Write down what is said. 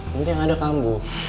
nanti yang ada kambuh